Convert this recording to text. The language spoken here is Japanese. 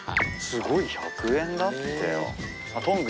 すごい１００円だってよ。